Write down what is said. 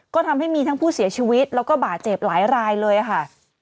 ก็ทำให้มีทั้งผู้เสียชีวิตแล้วก็บาดเจ็บหลายรายเลยค่ะ